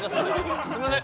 すいません。